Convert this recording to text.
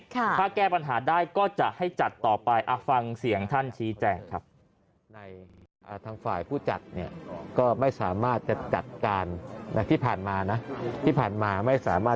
ถ้าแก้ปัญหาได้ก็จะให้จัดต่อไปฟังเสียงท่านชี้แจงครับ